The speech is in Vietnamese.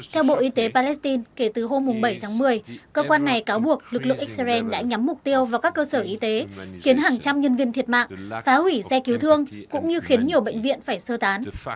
theo bộ y tế palestine kể từ hôm bảy tháng một mươi cơ quan này cáo buộc lực lượng israel đã nhắm mục tiêu vào các cơ sở y tế khiến hàng trăm nhân viên thiệt mạng phá hủy xe cứu thương cũng như khiến nhiều bệnh viện phải sơ tán